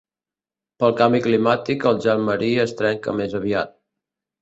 Pel canvi climàtic el gel marí es trenca més aviat.